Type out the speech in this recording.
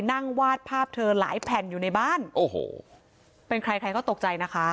วาดภาพเธอหลายแผ่นอยู่ในบ้านโอ้โหเป็นใครใครก็ตกใจนะคะ